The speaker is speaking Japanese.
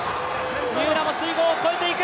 三浦も水濠を越えていく。